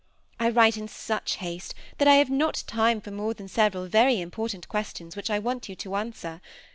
I write in such haste that I have not time for more than several very important questions which I want you to answer.